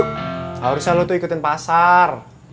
harusnya lo tuh ikutin pasar